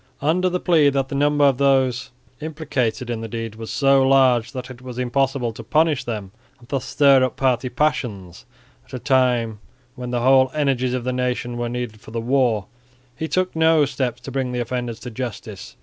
Under the plea that the number of those implicated in the deed was so large that it was impossible to punish them and thus stir up party passions at a time when the whole energies of the nation were needed for the war, he took no steps to bring the offenders to justice.